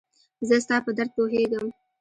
زه ستا په درد پوهيږم